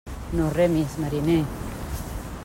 No remis, mariner.